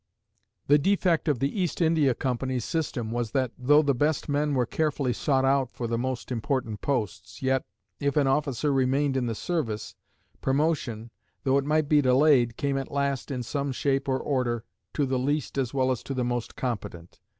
The defect of the East India Company's system was that, though the best men were carefully sought out for the most important posts, yet, if an officer remained in the service, promotion, though it might be delayed, came at last in some shape or other, to the least as well as to the most competent.